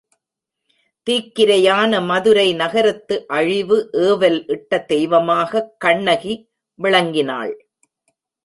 தீக்கிரையான மதுரை நகரத்து அழிவு ஏவல் இட்ட தெய்வமாகக் கண்ணகி விளங்கினாள்.